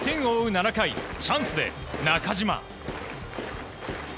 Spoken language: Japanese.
７回チャンスで中島。